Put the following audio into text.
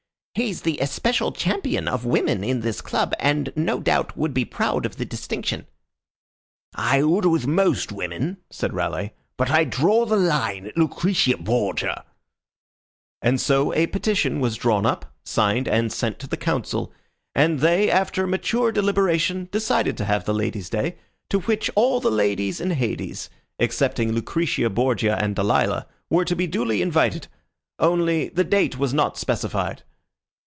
"He's the especial champion of woman in this club, and no doubt would be proud of the distinction." "I would with most women," said Raleigh. "But I draw the line at Lucretia Borgia." And so a petition was drawn up, signed, and sent to the council, and they, after mature deliberation, decided to have the ladies' day, to which all the ladies in Hades, excepting Lucretia Borgia and Delilah, were to be duly invited, only the date was not specified.